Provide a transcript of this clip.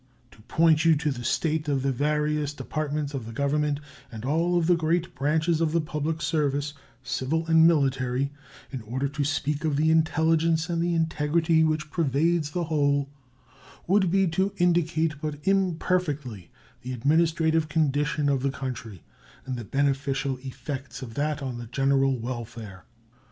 To point you to the state of the various Departments of the Government and of all the great branches of the public service, civil and military, in order to speak of the intelligence and the integrity which pervades the whole, would be to indicate but imperfectly the administrative condition of the country and the beneficial effects of that on the general welfare.